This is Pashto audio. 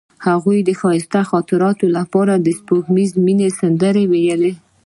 هغې د ښایسته خاطرو لپاره د سپوږمیز مینه سندره ویله.